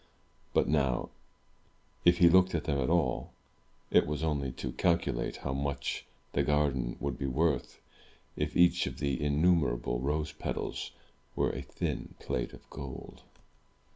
But now, if he looked at them at all, it was only to calculate how much the garden would be worth if each of the innumerable rose petals were a thin plate of gold.